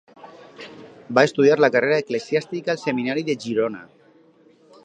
Va estudiar la carrera eclesiàstica al Seminari de Girona.